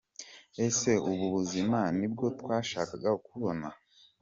Ese ubu buzima ni bwo twashakaga kubona?